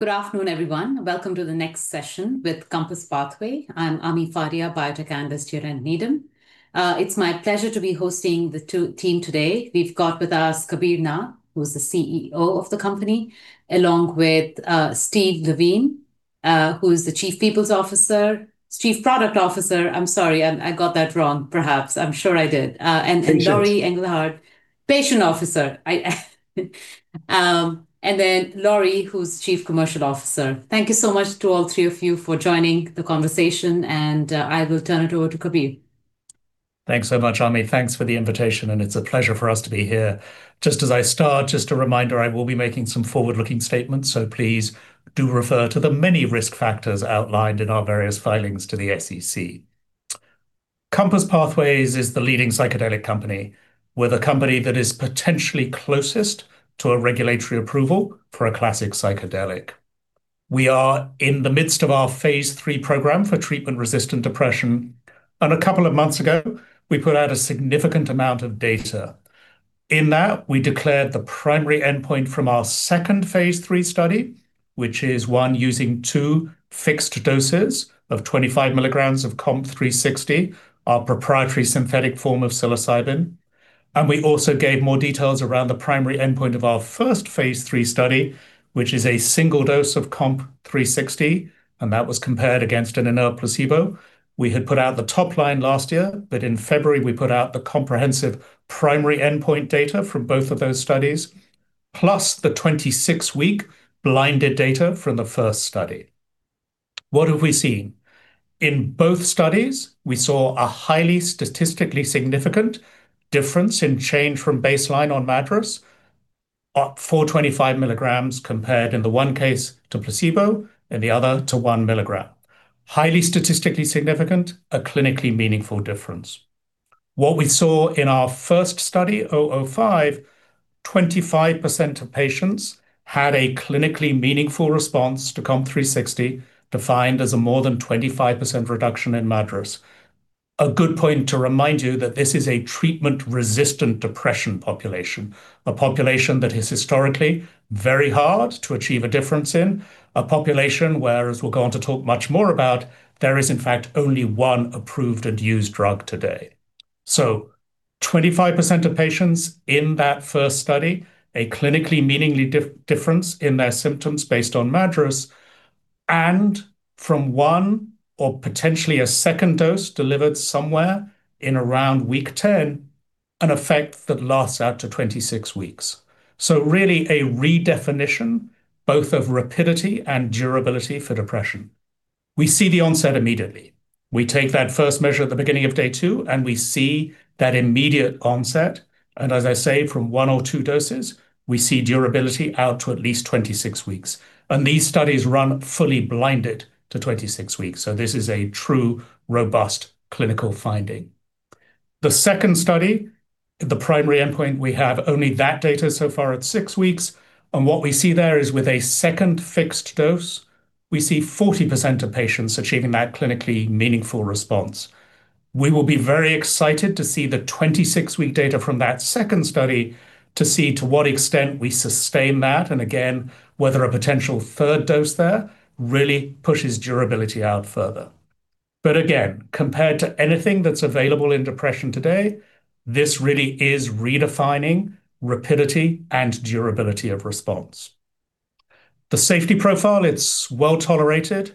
Good afternoon, everyone. Welcome to the next session with COMPASS Pathways. I'm Ami Fadia, Biotech Analyst here at Needham. It's my pleasure to be hosting the team today. We've got with us Kabir Nath, who is the CEO of the company, along with Steve Levine, who is the Chief People's Officer. Chief Patient Officer. I'm sorry, I got that wrong perhaps. I'm sure I did. Thank you. Teri Loxam, Patient Officer. Lori, who's Chief Commercial Officer. Thank you so much to all three of you for joining the conversation, and I will turn it over to Kabir. Thanks so much, Ami. Thanks for the invitation, and it's a pleasure for us to be here. Just as I start, just a reminder, I will be making some forward-looking statements, so please do refer to the many risk factors outlined in our various filings to the SEC. COMPASS Pathways is the leading psychedelic company. We're the company that is potentially closest to a regulatory approval for a classic psychedelic. We are in the midst of our phase III program for treatment-resistant depression, and a couple of months ago, we put out a significant amount of data. In that, we declared the primary endpoint from our second phase III study, which is one using two fixed doses of 25mg of COMP360, our proprietary synthetic form of psilocybin. We also gave more details around the primary endpoint of our first phase III study, which is a single dose of COMP360, and that was compared against an inert placebo. We had put out the top-line last year, but in February, we put out the comprehensive primary endpoint data from both of those studies, plus the 26-week blinded data from the first study. What have we seen? In both studies, we saw a highly statistically significant difference in change from baseline on MADRS for 25mg compared, in the one case, to placebo, and the other to one milligram. Highly statistically significant, a clinically meaningful difference. What we saw in our first study, COMP005, 25% of patients had a clinically meaningful response to COMP360, defined as a more than 25% reduction in MADRS. A good point to remind you that this is a treatment-resistant depression population, a population that is historically very hard to achieve a difference in, a population where, as we'll go on to talk much more about, there is in fact only one approved and used drug today. 25% of patients in that first study, a clinically meaningful difference in their symptoms based on MADRS, and from one or potentially a second dose delivered somewhere in around week 10, an effect that lasts out to 26 weeks. Really a redefinition both of rapidity and durability for depression. We see the onset immediately. We take that first measure at the beginning of day two, and we see that immediate onset. As I say, from one or two doses, we see durability out to at least 26 weeks. These studies run fully blinded to 26 weeks. This is a true, robust clinical finding. The second study, the primary endpoint, we have only that data so far at six weeks. What we see there is with a second fixed dose, we see 40% of patients achieving that clinically meaningful response. We will be very excited to see the 26-week data from that second study to see to what extent we sustain that, and again, whether a potential third dose there really pushes durability out further. Again, compared to anything that's available in depression today, this really is redefining rapidity and durability of response. The safety profile, it's well-tolerated.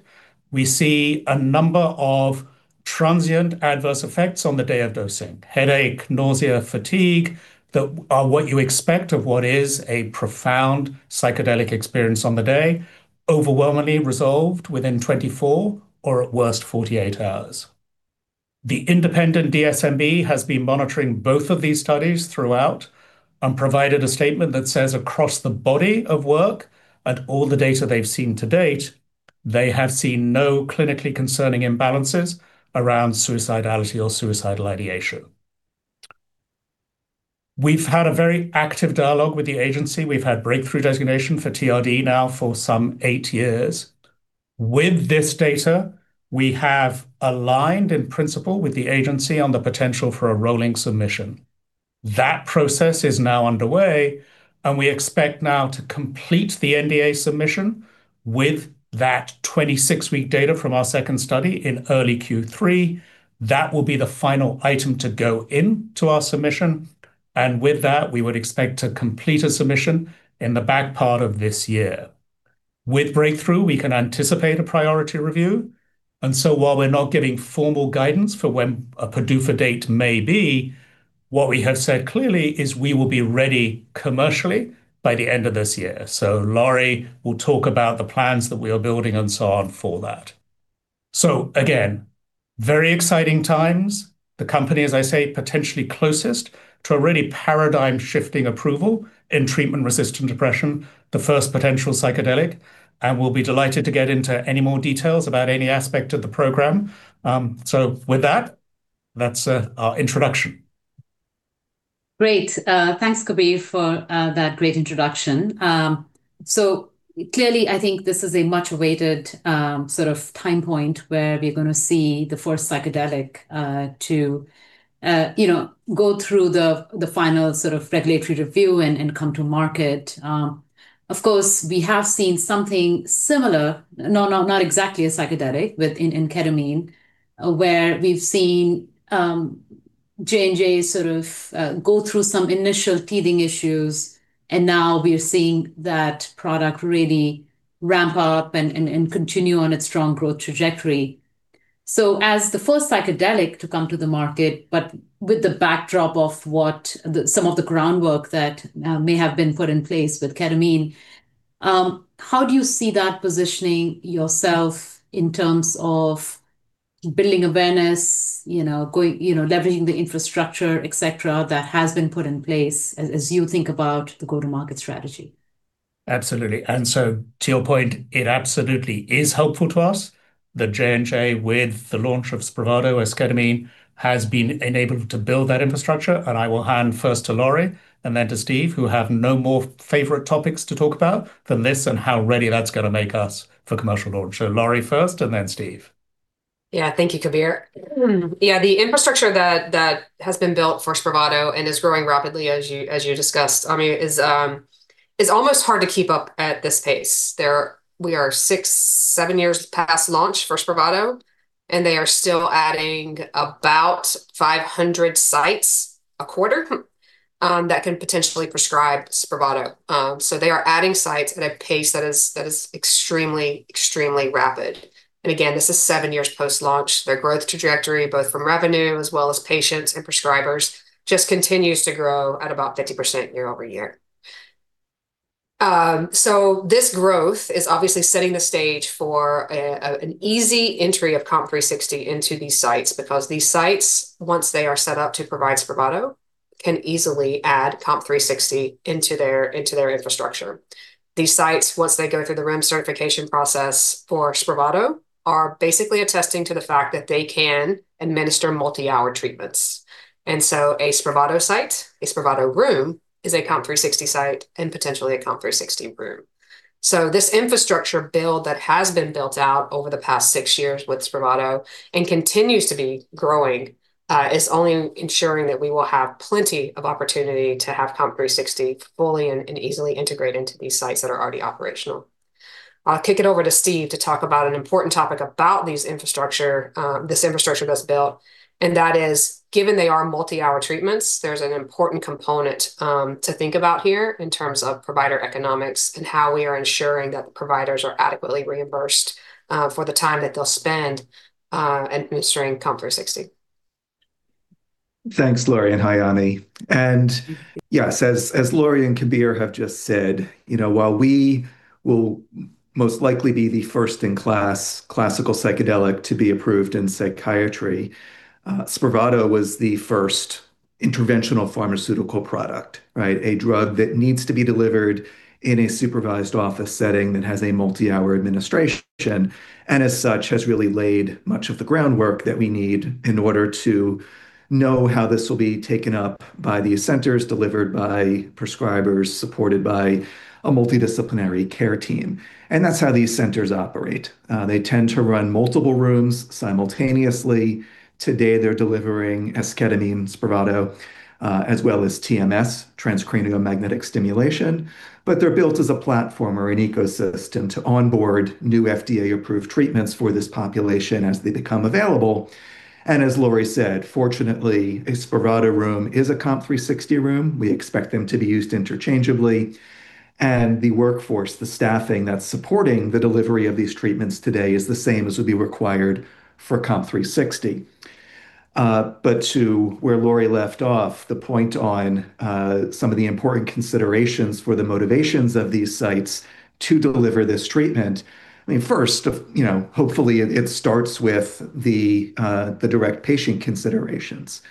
We see a number of transient adverse effects on the day of dosing, headache, nausea, fatigue, that are what you expect of what is a profound psychedelic experience on the day, overwhelmingly resolved within 24 or at worst 48 hours. The independent DSMB has been monitoring both of these studies throughout and provided a statement that says across the body of work and all the data they've seen to date, they have seen no clinically concerning imbalances around suicidality or suicidal ideation. We've had a very active dialogue with the agency. We've had breakthrough designation for TRD now for some eight years. With this data, we have aligned in principle with the agency on the potential for a rolling submission. That process is now underway, and we expect now to complete the NDA submission with that 26-week data from our second study in early Q3. That will be the final item to go into our submission. With that, we would expect to complete a submission in the back part of this year. With breakthrough, we can anticipate a priority review. While we're not giving formal guidance for when a PDUFA date may be, what we have said clearly is we will be ready commercially by the end of this year. Lori will talk about the plans that we are building and so on for that. Again, very exciting times. The company, as I say, potentially closest to a really paradigm-shifting approval in treatment-resistant depression, the first potential psychedelic, and we'll be delighted to get into any more details about any aspect of the program. With that, that's our introduction. Great. Thanks, Kabir, for that great introduction. So clearly, I think this is a much-awaited time point where we're going to see the first psychedelic to go through the final regulatory review and come to market. Of course, we have seen something similar, not exactly a psychedelic, but in ketamine, where we've seen J&J sort of go through some initial teething issues, and now we are seeing that product really ramp up and continue on its strong growth trajectory. So as the first psychedelic to come to the market, but with the backdrop of some of the groundwork that may have been put in place with ketamine, how do you see that positioning yourself in terms of building awareness, leveraging the infrastructure, et cetera, that has been put in place as you think about the go-to-market strategy? Absolutely. To your point, it absolutely is helpful to us that J&J, with the launch of SPRAVATO as ketamine, has been enabled to build that infrastructure. I will hand first to Lori and then to Steve, who have no more favorite topics to talk about than this and how ready that's going to make us for commercial launch. Lori first and then Steve. Yeah. Thank you, Kabir. Yeah, the infrastructure that has been built for SPRAVATO and is growing rapidly as you discussed, it's almost hard to keep up at this pace. We are six, seven years past launch for SPRAVATO, and they are still adding about 500 sites a quarter that can potentially prescribe SPRAVATO. They are adding sites at a pace that is extremely rapid. Again, this is seven years post-launch. Their growth trajectory, both from revenue as well as patients and prescribers, just continues to grow at about 50% year-over-year. This growth is obviously setting the stage for an easy entry of COMP360 into these sites because these sites, once they are set up to provide SPRAVATO, can easily add COMP360 into their infrastructure. These sites, once they go through the REMS certification process for SPRAVATO, are basically attesting to the fact that they can administer multi-hour treatments. A SPRAVATO site, a SPRAVATO room, is a COMP360 site and potentially a COMP360 room. This infrastructure build that has been built out over the past six years with SPRAVATO and continues to be growing is only ensuring that we will have plenty of opportunity to have COMP360 fully and easily integrate into these sites that are already operational. I'll kick it over to Steve to talk about an important topic about this infrastructure that's built, and that is, given they are multi-hour treatments, there's an important component to think about here in terms of provider economics and how we are ensuring that the providers are adequately reimbursed for the time that they'll spend administering COMP360. Thanks, Lori and Hi Ami. Yes, as Lori and Kabir have just said, while we will most likely be the first-in-class classical psychedelic to be approved in psychiatry, SPRAVATO was the first interventional pharmaceutical product, right? It is a drug that needs to be delivered in a supervised office setting that has a multi-hour administration, and as such, has really laid much of the groundwork that we need in order to know how this will be taken up by these centers, delivered by prescribers, supported by a multidisciplinary care team. That's how these centers operate. They tend to run multiple rooms simultaneously. Today, they're delivering esketamine, SPRAVATO, as well as TMS, Transcranial Magnetic Stimulation, but they're built as a platform or an ecosystem to onboard new FDA-approved treatments for this population as they become available. As Lori said, fortunately, a SPRAVATO room is a COMP360 room. We expect them to be used interchangeably. The workforce, the staffing that's supporting the delivery of these treatments today is the same as would be required for COMP360. To where Lori left off, the point on some of the important considerations for the motivations of these sites to deliver this treatment, first, hopefully, it starts with the direct patient considerations,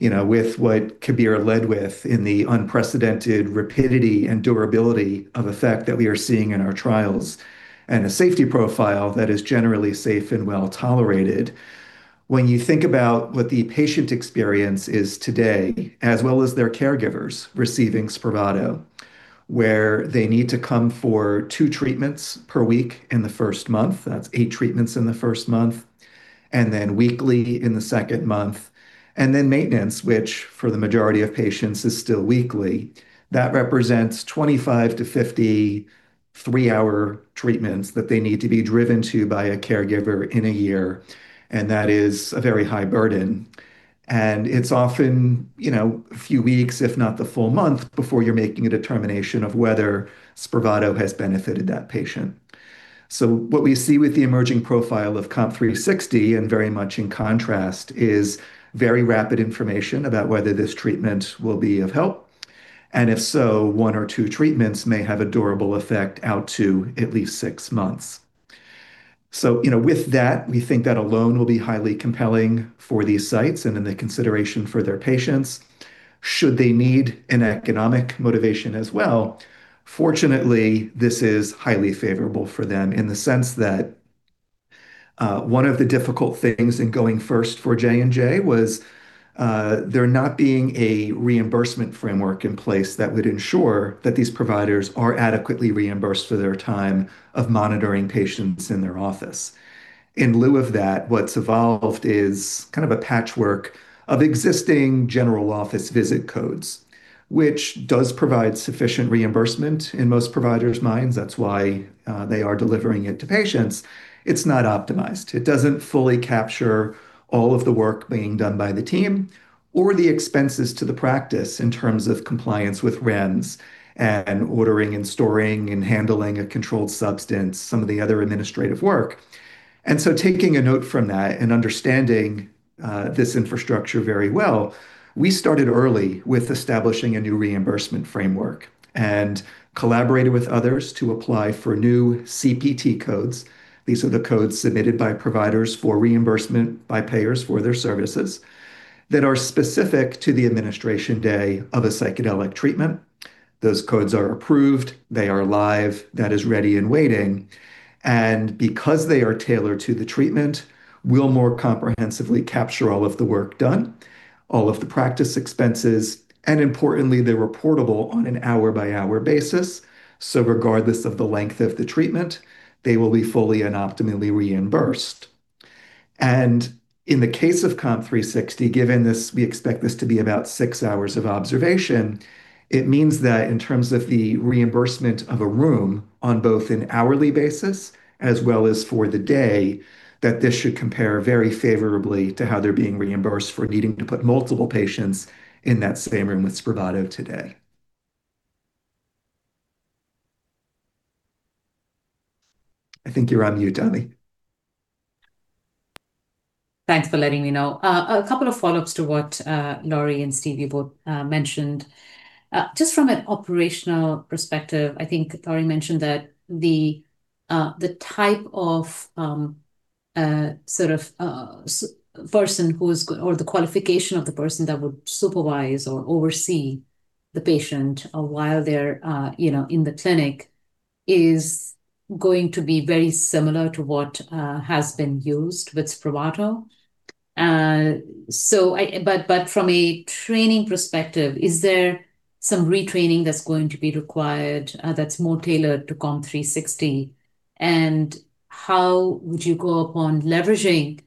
with what Kabir led with in the unprecedented rapidity and durability of effect that we are seeing in our trials, and a safety profile that is generally safe and well-tolerated. When you think about what the patient experience is today, as well as their caregivers receiving SPRAVATO, where they need to come for two treatments per week in the first month, that's eight treatments in the first month, and then weekly in the second month, and then maintenance, which for the majority of patients is still weekly. That represents 25-50 three-hour treatments that they need to be driven to by a caregiver in a year, and that is a very high burden. It's often a few weeks, if not the full month, before you're making a determination of whether SPRAVATO has benefited that patient. What we see with the emerging profile of COMP360, and very much in contrast, is very rapid information about whether this treatment will be of help, and if so, one or two treatments may have a durable effect out to at least six months. With that, we think that alone will be highly compelling for these sites and in the consideration for their patients should they need an economic motivation as well. Fortunately, this is highly favorable for them in the sense that one of the difficult things in going first for J&J was there not being a reimbursement framework in place that would ensure that these providers are adequately reimbursed for their time of monitoring patients in their office. In lieu of that, what's evolved is kind of a patchwork of existing general office visit codes, which does provide sufficient reimbursement in most providers' minds. That's why they are delivering it to patients. It's not optimized. It doesn't fully capture all of the work being done by the team or the expenses to the practice in terms of compliance with REMS and ordering and storing and handling a controlled substance, some of the other administrative work. Taking a note from that and understanding this infrastructure very well, we started early with establishing a new reimbursement framework and collaborated with others to apply for new CPT codes. These are the codes submitted by providers for reimbursement by payers for their services that are specific to the administration day of a psychedelic treatment. Those codes are approved. They are live. That is ready and waiting. Because they are tailored to the treatment, we'll more comprehensively capture all of the work done, all of the practice expenses, and, importantly, they're reportable on an hour-by-hour basis. Regardless of the length of the treatment, they will be fully and optimally reimbursed. In the case of COMP360, given we expect this to be about six hours of observation, it means that in terms of the reimbursement of a room on both an hourly basis as well as for the day, that this should compare very favorably to how they're being reimbursed for needing to put multiple patients in that same room with SPRAVATO today. I think you're on mute, Ami. Thanks for letting me know. A couple of follow-ups to what Lori and Steve, you both mentioned. Just from an operational perspective, I think Lori mentioned that the type of person or the qualification of the person that would supervise or oversee the patient while they're in the clinic is going to be very similar to what has been used with SPRAVATO. From a training perspective, is there some retraining that's going to be required that's more tailored to COMP360? How would you go upon leveraging,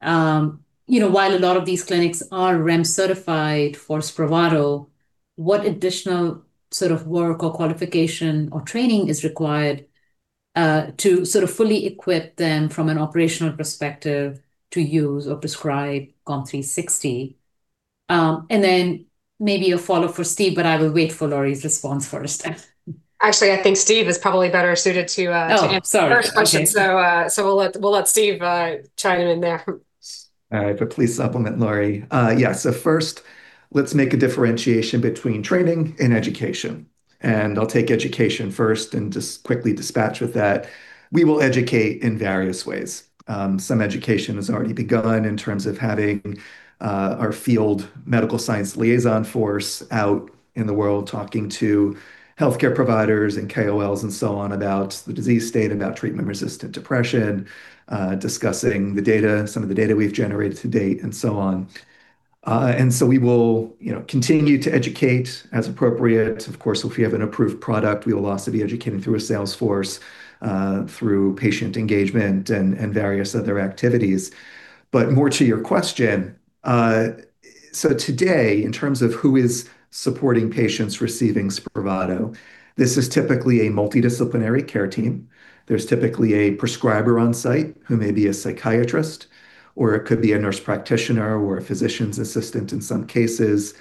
while a lot of these clinics are REMS certified for SPRAVATO, what additional sort of work or qualification or training is required to sort of fully equip them from an operational perspective to use or prescribe COMP360? Maybe a follow for Steve, but I will wait for Lori's response first. Actually, I think Steve is probably better suited to. Oh, sorry. Okay. I'll answer the first question. We'll let Steve chime in there. All right. Please supplement, Lori. Yeah. First, let's make a differentiation between training and education. I'll take education first and just quickly dispatch with that. We will educate in various ways. Some education has already begun in terms of having our field medical science liaison force out in the world talking to healthcare providers and KOLs and so on about the disease state, about treatment-resistant depression, discussing the data, some of the data we've generated to date, and so on. We will continue to educate as appropriate. Of course, if we have an approved product, we will also be educating through a sales force, through patient engagement and various other activities. More to your question, today, in terms of who is supporting patients receiving SPRAVATO, this is typically a multidisciplinary care team. There's typically a prescriber on-site who may be a psychiatrist, or it could be a nurse practitioner or a physician's assistant in some cases,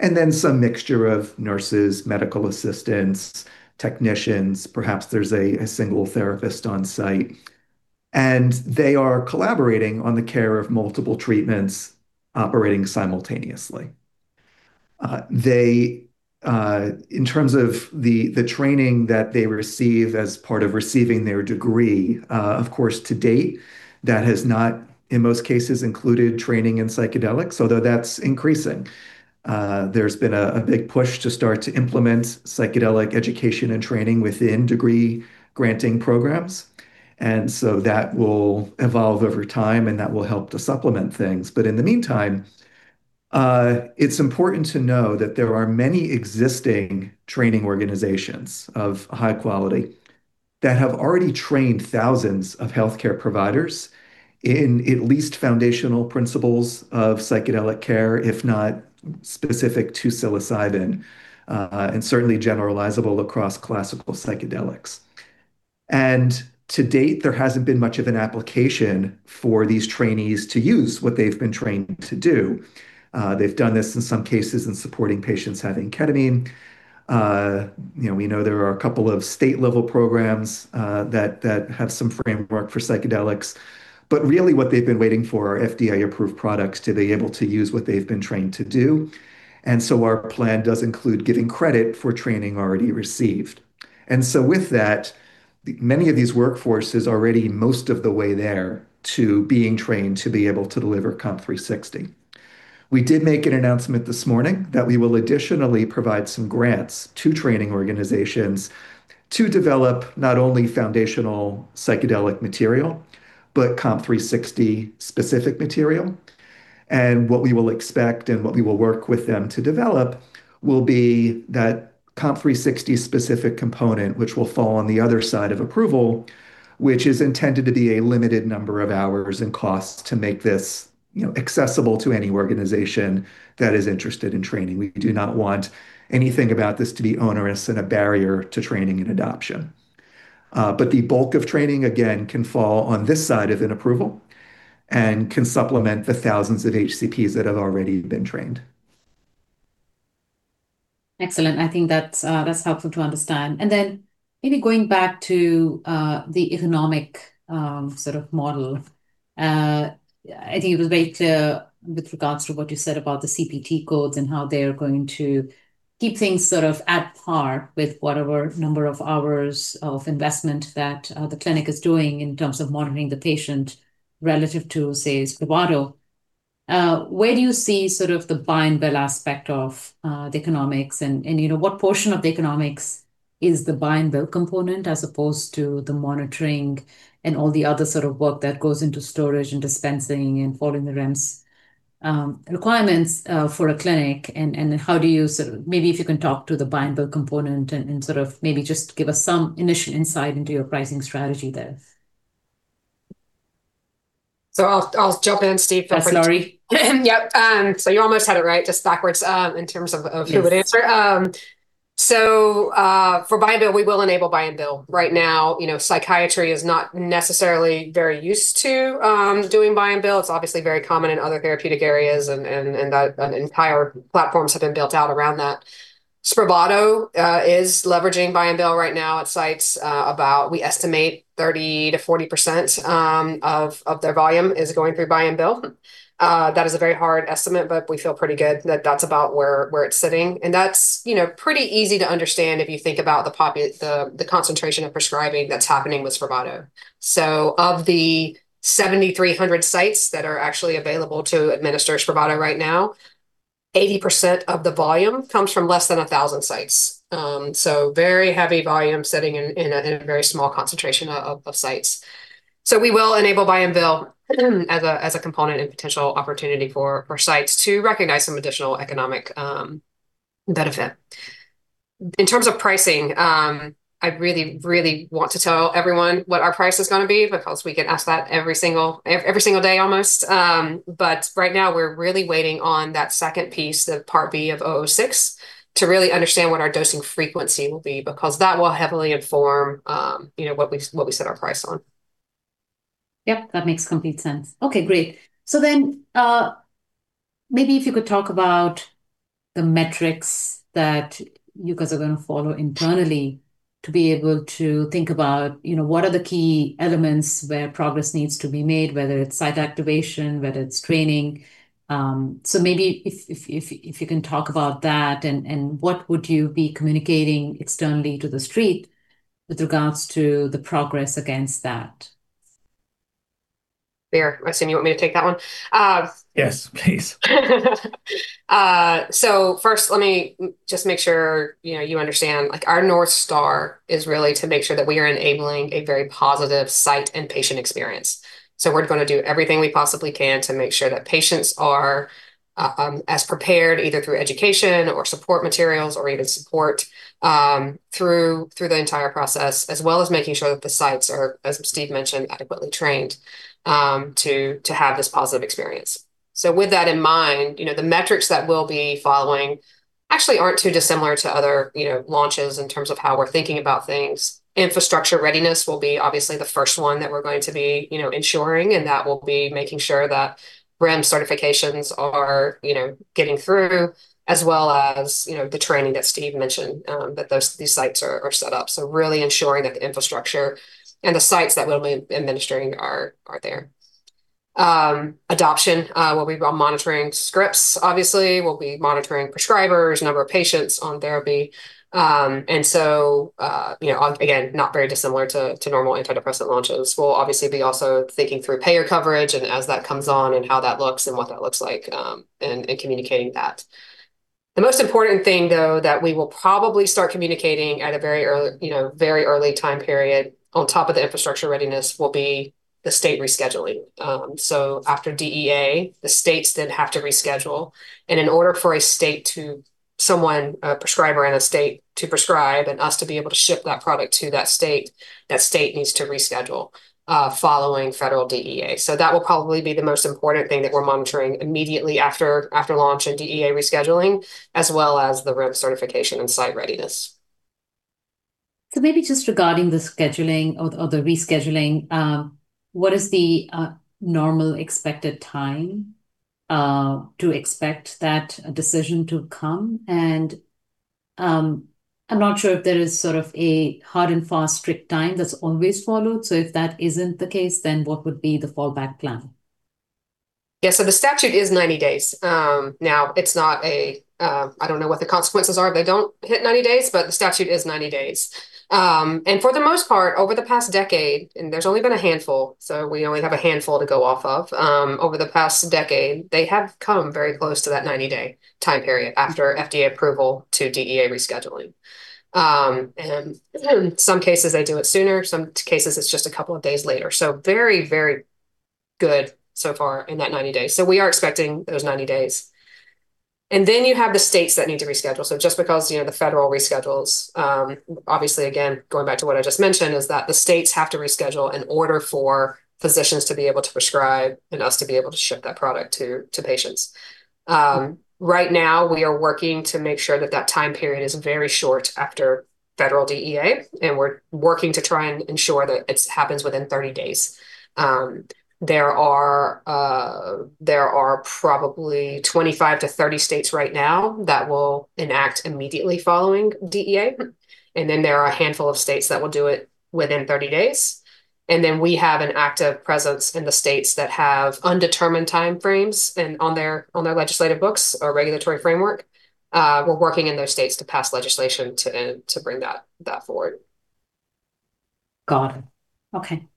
and then some mixture of nurses, medical assistants, technicians. Perhaps there's a single therapist on-site. They are collaborating on the care of multiple treatments operating simultaneously. In terms of the training that they receive as part of receiving their degree, of course, to date, that has not, in most cases, included training in psychedelics, although that's increasing. There's been a big push to start to implement psychedelic education and training within degree-granting programs. That will evolve over time, and that will help to supplement things. In the meantime, it's important to know that there are many existing training organizations of high quality that have already trained thousands of healthcare providers in at least foundational principles of psychedelic care, if not specific to psilocybin, and certainly generalizable across classical psychedelics. To date, there hasn't been much of an application for these trainees to use what they've been trained to do. They've done this in some cases in supporting patients having ketamine. We know there are a couple of state-level programs that have some framework for psychedelics. Really what they've been waiting for are FDA-approved products to be able to use what they've been trained to do. Our plan does include giving credit for training already received. With that, many of these workforces are already most of the way there to being trained to be able to deliver COMP360. We did make an announcement this morning that we will additionally provide some grants to training organizations to develop not only foundational psychedelic material, but COMP360-specific material. What we will expect and what we will work with them to develop will be that COMP360-specific component, which will fall on the other side of approval, which is intended to be a limited number of hours and costs to make this accessible to any organization that is interested in training. We do not want anything about this to be onerous and a barrier to training and adoption. The bulk of training, again, can fall on this side of an approval and can supplement the thousands of HCPs that have already been trained. Excellent. I think that's helpful to understand. Maybe going back to the economic model. I think it was very clear with regards to what you said about the CPT codes and how they are going to keep things at par with whatever number of hours of investment that the clinic is doing in terms of monitoring the patient relative to, say, SPRAVATO. Where do you see the buy and bill aspect of the economics, and what portion of the economics is the buy and bill component as opposed to the monitoring and all the other work that goes into storage and dispensing and following the REMS requirements for a clinic? Maybe if you can talk to the buy and bill component and maybe just give us some initial insight into your pricing strategy there. I'll jump in, Steve. Sorry. Yep. You almost had it right, just backwards. Yes Who would answer. For buy and bill, we will enable buy and bill. Right now, psychiatry is not necessarily very used to doing buy and bill. It's obviously very common in other therapeutic areas and entire platforms have been built out around that. SPRAVATO is leveraging buy and bill right now at sites. We estimate 30%-40% of their volume is going through buy and bill. That is a very hard estimate, but we feel pretty good that that's about where it's sitting, and that's pretty easy to understand if you think about the concentration of prescribing that's happening with SPRAVATO. Of the 7,300 sites that are actually available to administer SPRAVATO right now, 80% of the volume comes from less than 1,000 sites. Very heavy volume sitting in a very small concentration of sites. We will enable buy and bill as a component and potential opportunity for sites to recognize some additional economic benefit. In terms of pricing, I really, really want to tell everyone what our price is going to be because we get asked that every single day almost. Right now, we're really waiting on that second piece, the Part B of COMP006, to really understand what our dosing frequency will be, because that will heavily inform what we set our price on. Yep, that makes complete sense. Okay, great. Maybe if you could talk about the metrics that you guys are going to follow internally to be able to think about what are the key elements where progress needs to be made, whether it's site activation, whether it's training? Maybe if you can talk about that, and what would you be communicating externally to the street with regards to the progress against that? Kabir, I assume you want me to take that one? Yes, please. First, let me just make sure you understand. Our North Star is really to make sure that we are enabling a very positive site and patient experience. We're going to do everything we possibly can to make sure that patients are as prepared, either through education or support materials, or even support through the entire process, as well as making sure that the sites are, as Steve mentioned, adequately trained to have this positive experience. With that in mind, the metrics that we'll be following actually aren't too dissimilar to other launches in terms of how we're thinking about things. Infrastructure readiness will be obviously the first one that we're going to be ensuring, and that will be making sure that REMS certifications are getting through as well as the training that Steve mentioned, that these sites are set up. Really ensuring that the infrastructure and the sites that we'll be administering are there, we'll be monitoring adoption, scripts, obviously. We'll be monitoring prescribers, number of patients on therapy, again, not very dissimilar to normal antidepressant launches. We'll obviously be also thinking through payer coverage and as that comes on and how that looks and what that looks like, and communicating that. The most important thing, though, that we will probably start communicating at a very early time period on top of the infrastructure readiness will be the state rescheduling. After DEA, the states then have to reschedule. In order for a prescriber in a state to prescribe and us to be able to ship that product to that state, that state needs to reschedule following federal DEA. That will probably be the most important thing that we're monitoring immediately after launch and DEA rescheduling, as well as the REMS certification and site readiness. Maybe just regarding the scheduling or the rescheduling, what is the normal expected time to expect that decision to come? I'm not sure if there is a hard and fast strict time that's always followed, so if that isn't the case, then what would be the fallback plan? Yeah. The statute is 90 days. Now, I don't know what the consequences are if they don't hit 90 days, but the statute is 90 days. For the most part, over the past decade, and there's only been a handful, so we only have a handful to go off of. Over the past decade, they have come very close to that 90-day time period after FDA approval to DEA rescheduling. In some cases, they do it sooner, some cases it's just a couple of days later. Very good so far in that 90 days. We are expecting those 90 days. You have the states that need to reschedule. Just because the federal reschedules, obviously, again, going back to what I just mentioned, is that the states have to reschedule in order for physicians to be able to prescribe and us to be able to ship that product to patients. Right now, we are working to make sure that that time period is very short after federal DEA, and we're working to try and ensure that it happens within 30 days. There are probably 25-30 states right now that will enact immediately following DEA. There are a handful of states that will do it within 30 days. We have an active presence in the states that have undetermined time frames on their legislative books or regulatory framework. We're working in those states to pass legislation to bring that forward. Got it. Okay.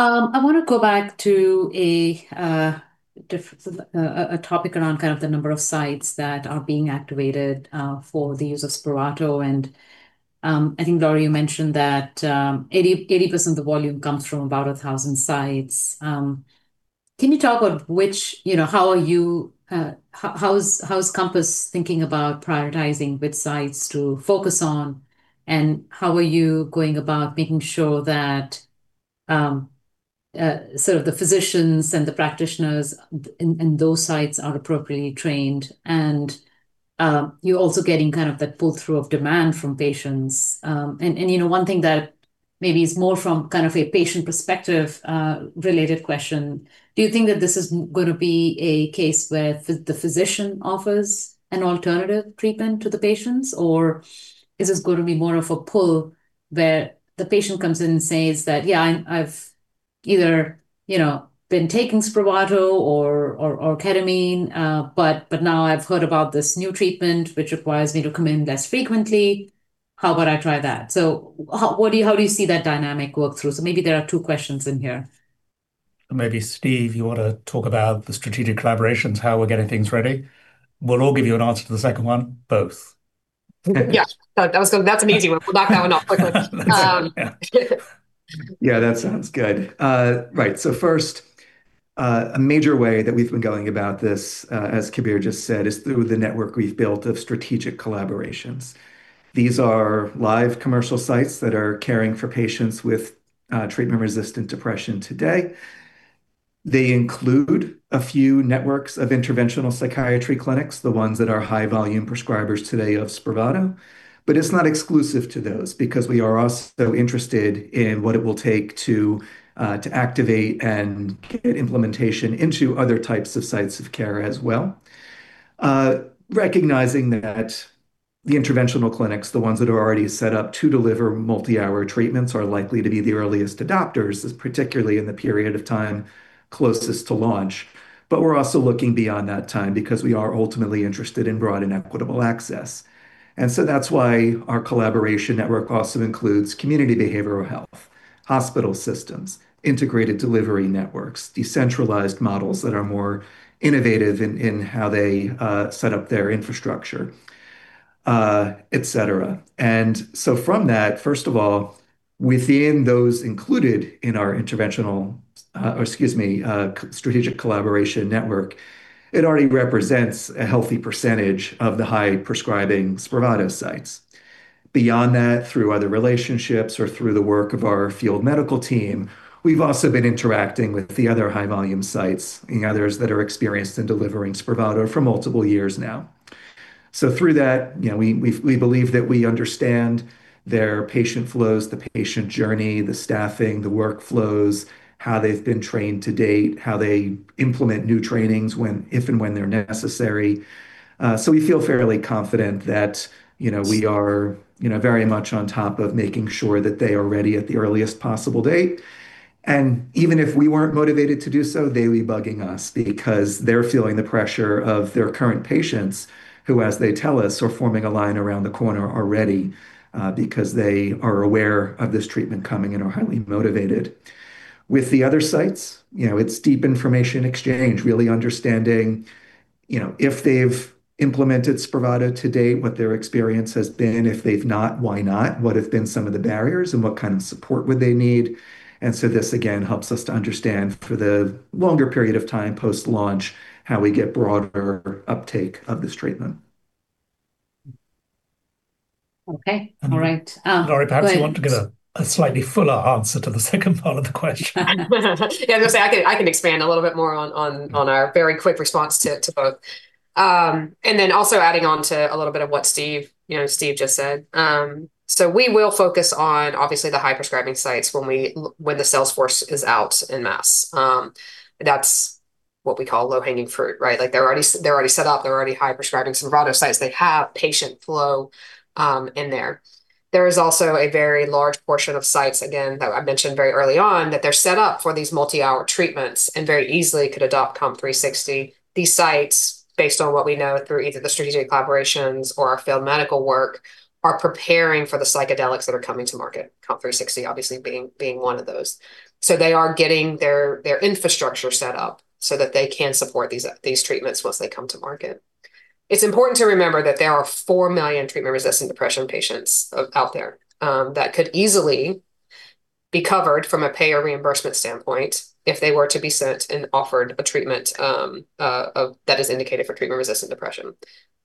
I want to go back to a topic around kind of the number of sites that are being activated for the use of SPRAVATO. I think, Lori, you mentioned that 80% of the volume comes from about 1,000 sites. Can you talk about how is Compass thinking about prioritizing which sites to focus on, and how are you going about making sure that sort of the physicians and the practitioners in those sites are appropriately trained, and you're also getting kind of that pull-through of demand from patients? One thing that maybe is more from kind of a patient perspective related question, do you think that this is going to be a case where the physician offers an alternative treatment to the patients, or is this going to be more of a pull where the patient comes in and says that, "Yeah, I've either been taking SPRAVATO or ketamine, but now I've heard about this new treatment, which requires me to come in less frequently. How about I try that?" How do you see that dynamic work through? Maybe there are two questions in here. Maybe, Steve, you want to talk about the strategic collaborations, how we're getting things ready. We'll all give you an answer to the second one, both. Yeah. That's an easy one. We'll knock that one off quickly. Yeah. Yeah, that sounds good. Right. First, a major way that we've been going about this, as Kabir just said, is through the network we've built of strategic collaborations. These are live commercial sites that are caring for patients with treatment-resistant depression today. They include a few networks of interventional psychiatry clinics, the ones that are high-volume prescribers today of SPRAVATO. It's not exclusive to those, because we are also interested in what it will take to activate and get implementation into other types of sites of care as well, recognizing that the interventional clinics, the ones that are already set up to deliver multi-hour treatments, are likely to be the earliest adopters, particularly in the period of time closest to launch. We're also looking beyond that time because we are ultimately interested in broad and equitable access. That's why our collaboration network also includes community behavioral health, hospital systems, integrated delivery networks, decentralized models that are more innovative in how they set up their infrastructure, et cetera. From that, first of all, within those included in our strategic collaboration network, it already represents a healthy percentage of the high-prescribing SPRAVATO sites. Beyond that, through other relationships or through the work of our field medical team, we've also been interacting with the other high-volume sites and others that are experienced in delivering SPRAVATO for multiple years now. Through that, we believe that we understand their patient flows, the patient journey, the staffing, the workflows, how they've been trained to date, how they implement new trainings if and when they're necessary. We feel fairly confident that we are very much on top of making sure that they are ready at the earliest possible date. Even if we weren't motivated to do so, they'd be bugging us because they're feeling the pressure of their current patients, who, as they tell us, are forming a line around the corner already, because they are aware of this treatment coming and are highly motivated. With the other sites, it's deep information exchange, really understanding if they've implemented SPRAVATO to date, what their experience has been. If they've not, why not? What have been some of the barriers, and what kind of support would they need? This, again, helps us to understand, for the longer period of time post-launch, how we get broader uptake of this treatment. Okay. All right. Lori, perhaps you want to give a slightly fuller answer to the second part of the question. Yeah, I can expand a little bit more on our very quick response to both, also adding on to a little bit of what Steve just said. We will focus on, obviously, the high-prescribing sites when the sales force is out en masse. That's what we call low-hanging fruit, right? They're already set up. They're already high-prescribing SPRAVATO sites. They have patient flow in there. There is also a very large portion of sites, again, that I mentioned very early on, that they're set up for these multi-hour treatments and very easily could adopt COMP360. These sites, based on what we know through either the strategic collaborations or our field medical work, are preparing for the psychedelics that are coming to market, COMP360 obviously being one of those. They are getting their infrastructure set up so that they can support these treatments once they come to market. It's important to remember that there are four million treatment-resistant depression patients out there that could easily be covered from a payer reimbursement standpoint if they were to be sent and offered a treatment that is indicated for treatment-resistant depression.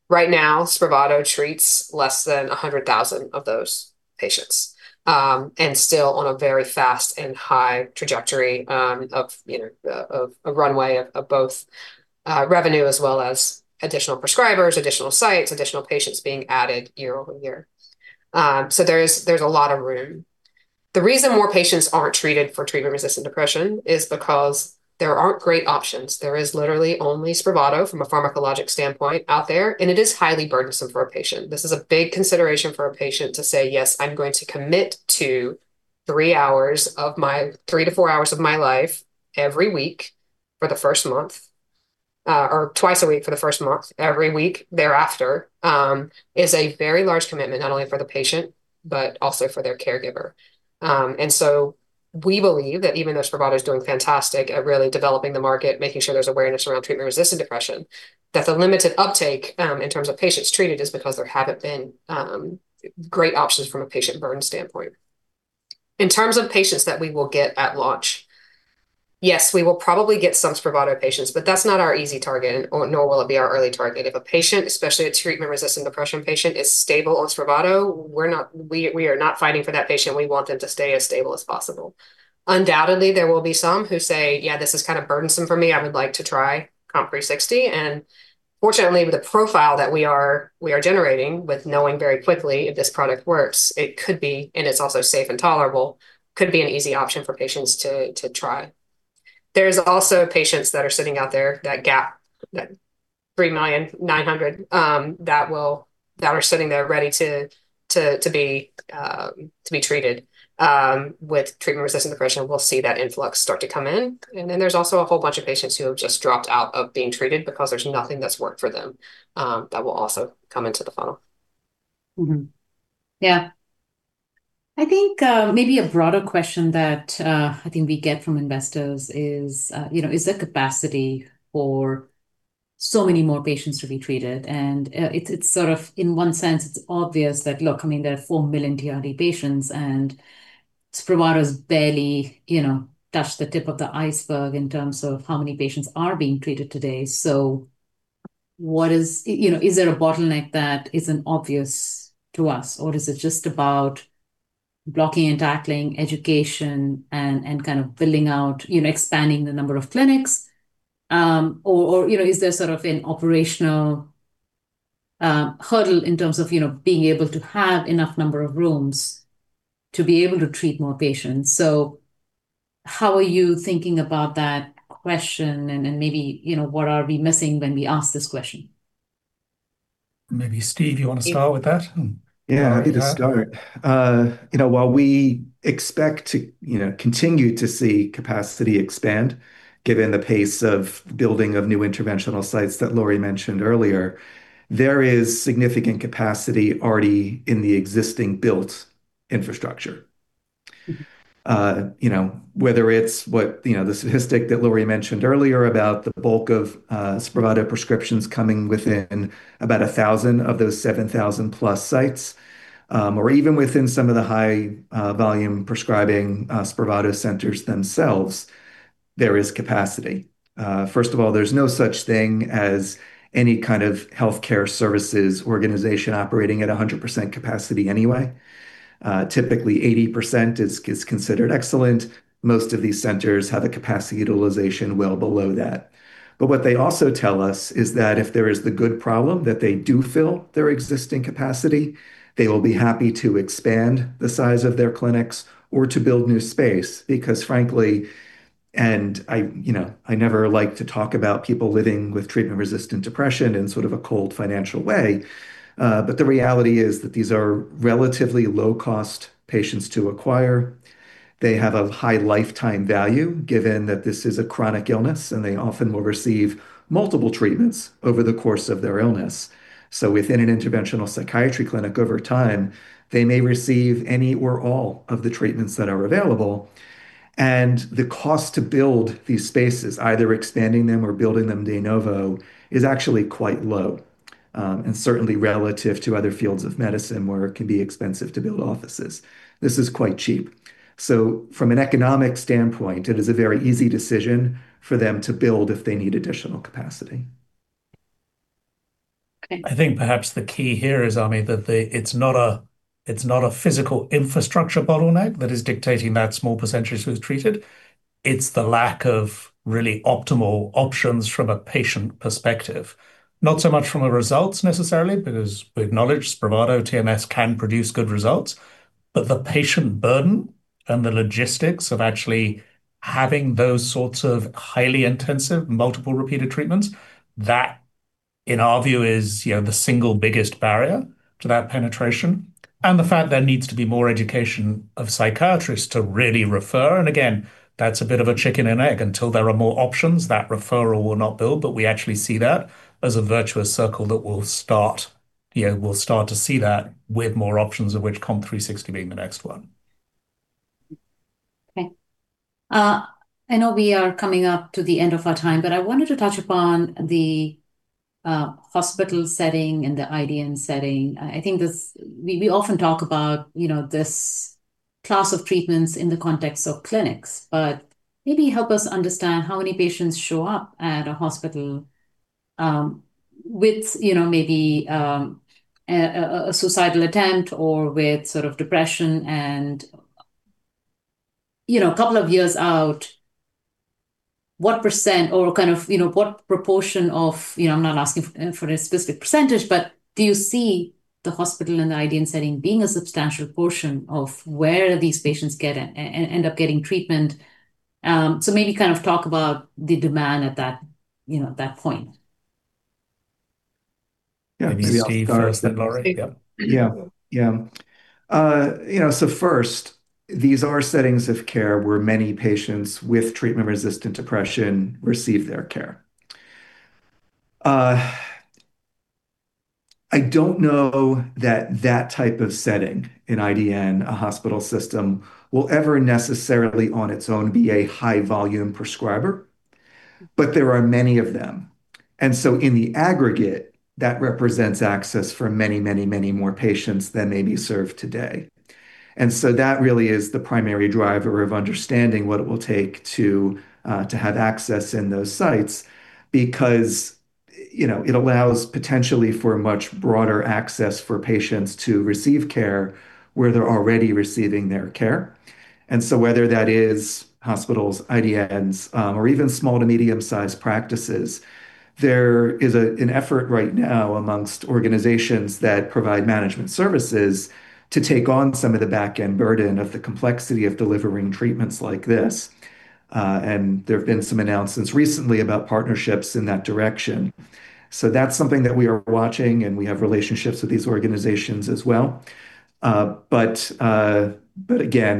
Right now, SPRAVATO treats less than 100,000 of those patients, and still on a very fast and high trajectory of a runway of both revenue as well as additional prescribers, additional sites, additional patients being added year-over-year. There's a lot of room. The reason more patients aren't treated for treatment-resistant depression is because there aren't great options. There is literally only SPRAVATO from a pharmacologic standpoint out there, and it is highly burdensome for a patient. This is a big consideration for a patient to say, "Yes, I'm going to commit to three to four hours of my life every week for the first month, or twice a week for the first month, every week thereafter," is a very large commitment, not only for the patient, but also for their caregiver. We believe that even though SPRAVATO is doing fantastic at really developing the market, making sure there's awareness around treatment-resistant depression, that the limited uptake, in terms of patients treated, is because there haven't been great options from a patient burden standpoint. In terms of patients that we will get at launch, yes, we will probably get some SPRAVATO patients, but that's not our easy target, nor will it be our early target. If a patient, especially a treatment-resistant depression patient, is stable on SPRAVATO, we are not fighting for that patient. We want them to stay as stable as possible. Undoubtedly, there will be some who say, "Yeah, this is kind of burdensome for me. I would like to try COMP360." Fortunately, with the profile that we are generating, with knowing very quickly if this product works, and it's also safe and tolerable, could be an easy option for patients to try. There's also patients that are sitting out there, that gap, that 3.9 million, that are sitting there ready to be treated with treatment-resistant depression. We'll see that influx start to come in. There's also a whole bunch of patients who have just dropped out of being treated because there's nothing that's worked for them. That will also come into the funnel. Mm-hmm. Yeah. I think maybe a broader question that I think we get from investors is the capacity for so many more patients to be treated, and in one sense, it's obvious that, look, there are four million TRD patients, and SPRAVATO's barely touched the tip of the iceberg in terms of how many patients are being treated today. Is there a bottleneck that isn't obvious to us, or is it just about blocking and tackling education and kind of building out, expanding the number of clinics? Is there sort of an operational hurdle in terms of being able to have enough number of rooms to be able to treat more patients? How are you thinking about that question, and maybe what are we missing when we ask this question? Maybe, Steve, you want to start with that? Yeah, I could start. While we expect to continue to see capacity expand, given the pace of building of new interventional sites that Lori mentioned earlier, there is significant capacity already in the existing built infrastructure. Mm-hmm. Whether it's the statistic that Lori mentioned earlier about the bulk of SPRAVATO prescriptions coming within about 1,000 of those 7,000+ sites, even within some of the high-volume prescribing SPRAVATO centers themselves, there is capacity. First of all, there's no such thing as any kind of healthcare services organization operating at 100% capacity anyway. Typically, 80% is considered excellent. Most of these centers have a capacity utilization well below that. What they also tell us is that if there is the good problem that they do fill their existing capacity, they will be happy to expand the size of their clinics or to build new space. Because frankly, and I never like to talk about people living with treatment-resistant depression in sort of a cold, financial way, the reality is that these are relatively low-cost patients to acquire. They have a high lifetime value, given that this is a chronic illness, and they often will receive multiple treatments over the course of their illness. Within an interventional psychiatry clinic, over time, they may receive any or all of the treatments that are available. The cost to build these spaces, either expanding them or building them de novo, is actually quite low. Certainly relative to other fields of medicine where it can be expensive to build offices, this is quite cheap. From an economic standpoint, it is a very easy decision for them to build if they need additional capacity. Okay. I think perhaps the key here is, Ami, that it's not a physical infrastructure bottleneck that is dictating that small percent who's treated. It's the lack of really optimal options from a patient perspective, not so much from the results necessarily, because we acknowledge SPRAVATO, TMS can produce good results. The patient burden and the logistics of actually having those sorts of highly intensive multiple repeated treatments, that, in our view, is the single biggest barrier to that penetration. The fact there needs to be more education of psychiatrists to really refer, and again, that's a bit of a chicken and egg. Until there are more options, that referral will not build. We actually see that as a virtuous circle that we'll start to see that with more options, of which COMP360 being the next one. Okay, I know we are coming up to the end of our time, but I wanted to touch upon the hospital setting and the IDN setting. I think we often talk about this class of treatments in the context of clinics. Maybe help us understand how many patients show up at a hospital with maybe a suicidal attempt or with sort of depression and, a couple of years out, I'm not asking for a specific percentage, but do you see the hospital and the IDN setting being a substantial portion of where these patients end up getting treatment? Maybe kind of talk about the demand at that point. Yeah. Maybe Steve first, then Lori? Yeah. First, these are settings of care where many patients with treatment-resistant depression receive their care. I don't know that that type of setting, an IDN, a hospital system, will ever necessarily on its own be a high-volume prescriber. There are many of them. In the aggregate, that represents access for many more patients than may be served today. That really is the primary driver of understanding what it will take to have access in those sites, because it allows potentially for much broader access for patients to receive care where they're already receiving their care. Whether that is hospitals, IDNs, or even small to medium-sized practices, there is an effort right now amongst organizations that provide management services to take on some of the back-end burden of the complexity of delivering treatments like this. There have been some announcements recently about partnerships in that direction. That's something that we are watching, and we have relationships with these organizations as well. Again,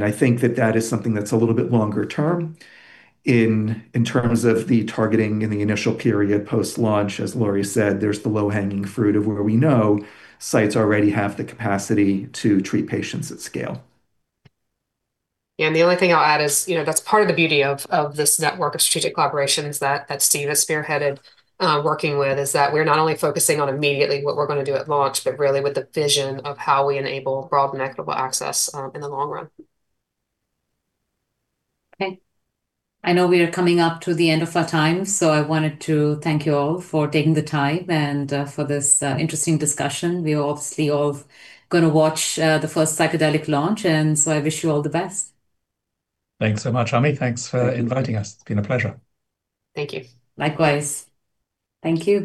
I think that that is something that's a little bit longer-term. In terms of the targeting in the initial period post-launch, as Lori said, there's the low-hanging fruit of where we know sites already have the capacity to treat patients at scale. The only thing I'll add is that's part of the beauty of this network of strategic collaborations that Steve has spearheaded working with, is that we're not only focusing on immediately what we're going to do at launch, but really with the vision of how we enable broad and equitable access in the long run. Okay. I know we are coming up to the end of our time, so I wanted to thank you all for taking the time and for this interesting discussion. We are obviously all going to watch the first psychedelic launch, and so I wish you all the best. Thanks so much, Ami. Thanks for inviting us. It's been a pleasure. Thank you. Likewise. Thank you.